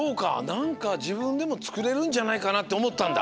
なんかじぶんでもつくれるんじゃないかなっておもったんだ？